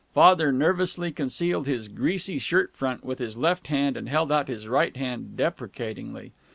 Father nervously concealed his greasy shirt front with his left hand, and held out his right hand deprecatingly.